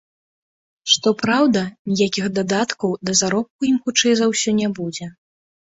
Што праўда, ніякіх дадаткаў да заробку ім хутчэй за ўсё не будзе.